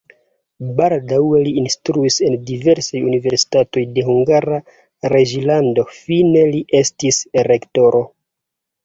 Baldaŭe li instruis en diversaj universitatoj de Hungara reĝlando, fine li estis rektoro.